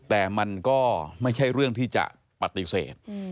แต่มันก็ไม่ใช่เรื่องที่จะปฏิเสธ